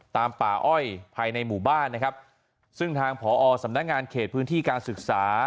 ตามป่าอ้อยภายในหมู่บ้านนะครับซึ่งทางผอสำนักงานเขตพื้นที่การศึกษา